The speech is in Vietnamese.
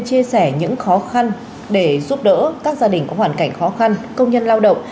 chia sẻ những khó khăn để giúp đỡ các gia đình có hoàn cảnh khó khăn công nhân lao động